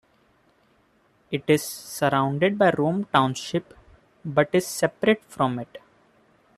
It is surrounded by Rome Township but is separate from it.